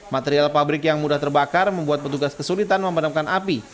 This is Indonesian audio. material pabrik yang mudah terbakar membuat petugas kesulitan memadamkan api